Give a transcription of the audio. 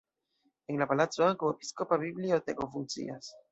En la palaco ankaŭ episkopa biblioteko funkcias.